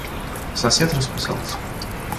Сосед расписался.